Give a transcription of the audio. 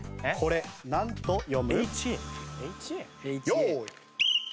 用意。